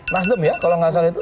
nasdem ya kalau nggak salah itu